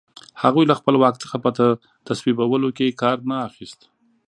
هغوی له خپل واک څخه په تصویبولو کې کار نه اخیست.